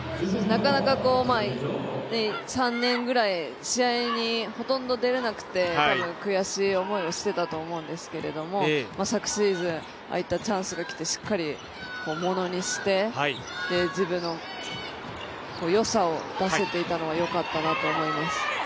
なかなか３年ぐらい試合にほとんど出られなくて悔しい思いをしていたと思うんですけれども昨シーズン、ああいったチャンスがきてしっかり、ものにして自分のよさを出せていたのはよかったなと思います。